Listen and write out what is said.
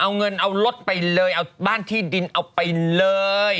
เอาเงินเอารถไปเลยเอาบ้านที่ดินเอาไปเลย